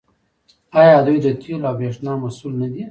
آیا دوی د تیلو او بریښنا مسوول نه دي؟